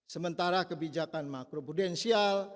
sementara kebijakan makro prudensial